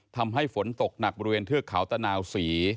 ทำให้ฝนตกหนักบริเวณเทือกเขาตะนาวศรี